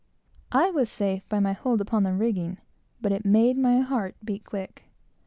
I was safe, by my hold upon the rigging, but it made my heart beat quick.